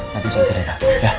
nanti saya cerita